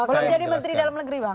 belum jadi menteri dalam negeri bang